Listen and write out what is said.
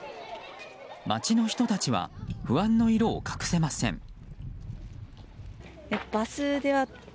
町の人たちは不安の色を隠せません。